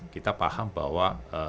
kita paham bahwa